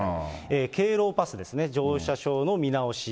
敬老パスですね、乗車証の見直し。